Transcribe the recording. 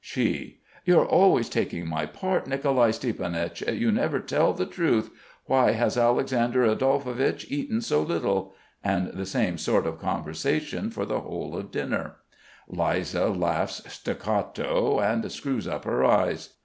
She: "You're always taking my part, Nicolai Stiepanich. You never tell the truth. Why has Alexander Adolphovich eaten so little?" and the same sort of conversation for the whole of dinner. Liza laughs staccato and screws up her eyes.